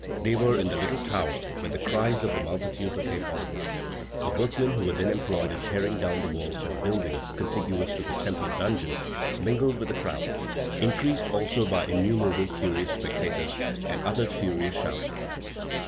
They were in the little tower when the cries of the multitude became audible. The workmen who were then employed in tearing down the walls and buildings contiguous to the Temple dungeon, mingled with the crowd, increased also by innumerable curious spectators, and uttered furious shouts.